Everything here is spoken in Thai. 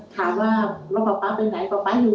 ถามว่าว่าป๊าเป็นไหน